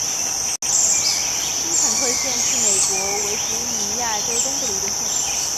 新肯特县是美国维吉尼亚州东部的一个县。